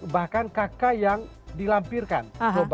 bahkan kakak yang dilampirkan